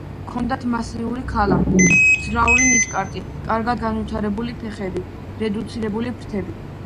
ჰქონდათ მასიური ქალა, მძლავრი ნისკარტი, კარგად განვითარებული ფეხები, რედუცირებული ფრთები.